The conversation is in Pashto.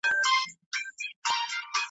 محفل دي خوږدی می که تر خه دي .